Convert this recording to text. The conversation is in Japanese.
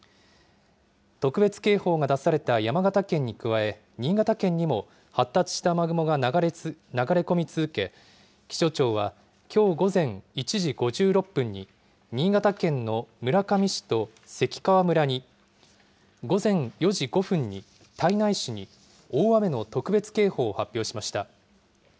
特別警報が出された山形県に加え新潟県にも発達した雨雲が流れ込み続け気象庁はきょう午前１時５６分に新潟県の村上市と関川村に午前４時５分に胎内市に大雨の特別警報を発表しました。